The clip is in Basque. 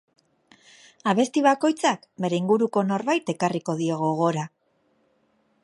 Abesti bakoitzak bere inguruko norbait ekarri dio gogora.